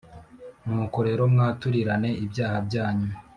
Nuko rero mwaturirane ibyaha byanyu